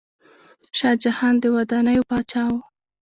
شاه جهان د ودانیو پاچا و.